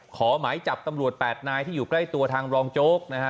ขอหมายจับตำรวจ๘นายที่อยู่ใกล้ตัวทางรองโจ๊กนะฮะ